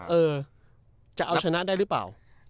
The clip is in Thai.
เออจะเอาชนะได้หรือเปล่า